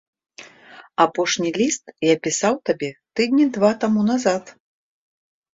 Апошні ліст я пісаў табе тыдні два таму назад.